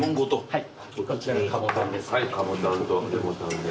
はい。